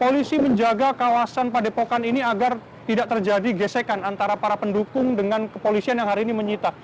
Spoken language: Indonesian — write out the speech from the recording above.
polisi menjaga kawasan padepokan ini agar tidak terjadi gesekan antara para pendukung dengan kepolisian yang hari ini menyita